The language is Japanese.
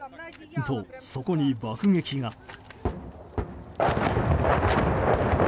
と、そこに爆撃が。